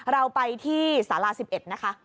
เราไปที่ศาลาสิบเอ็ดนะคะ